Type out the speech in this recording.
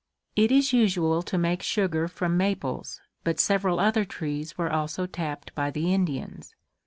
It is usual to make sugar from maples, but several other trees were also tapped by the Indians.